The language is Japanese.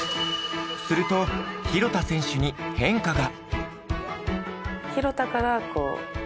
すると廣田選手に変化が。